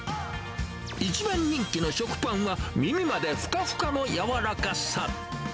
一番人気の食パンは、耳までふかふかのやわらかさ。